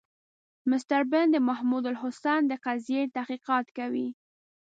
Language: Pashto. مسټر برن د محمودالحسن د قضیې تحقیقات کوي.